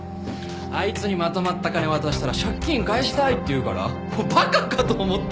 あいつにまとまった金渡したら「借金返したい」って言うから馬鹿かと思ったよ。